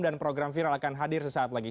dan program viral akan hadir sesaat lagi